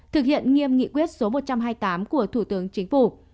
thực hiện nghiêm nghị quyết số một trăm hai mươi tám của thủ tướng chính phủ